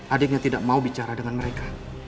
adiknya tidak mau bicara dengan mereka